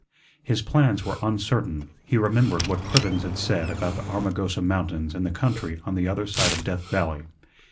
His plans were uncertain. He remembered what Cribbens had said about the Armagosa Mountains in the country on the other side of Death Valley.